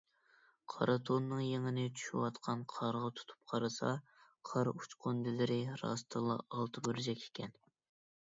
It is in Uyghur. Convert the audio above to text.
قارا تونىنىڭ يېڭىنى چۈشۈۋاتقان قارغا تۇتۇپ قارىسا، قار ئۇچقۇندىلىرى راستلا ئالتە بۇرجەك ئىكەن.